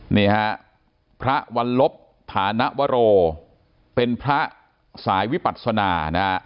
นี่ฮะพระวัลลบผานวโรเป็นพระสายวิปัศนานะฮะ